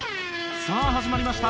さあ始まりました